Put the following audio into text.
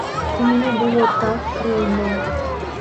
І мне было так крыўдна.